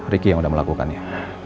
ricky yang udah melakukannya